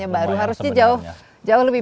baru harusnya jauh lebih